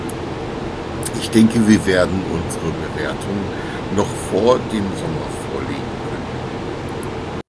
Ich denke, wir werden unsere Bewertung noch vor dem Sommer vorlegen können.